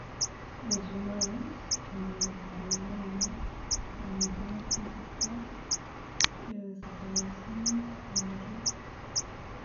Los humanos inventaron el alma para no tener que aceptar que desaparecen al morir